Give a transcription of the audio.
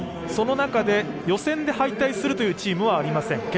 その中で、予選で敗退するというチームはありません。